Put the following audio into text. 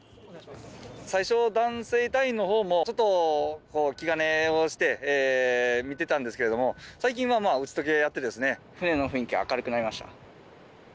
最初は、男性隊員のほうもちょっと気兼ねをして見てたんですけれども、船の雰囲気が明るくなりまし